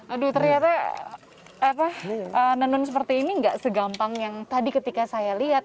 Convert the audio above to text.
aduh ternyata nenun seperti ini nggak segampang yang tadi ketika saya lihat